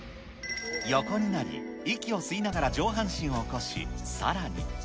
横になり、息を吸いながら上半身を起こし、さらに。